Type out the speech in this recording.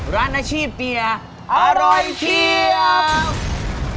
ร้านอาชีพเปียร์อร่อยเชียบ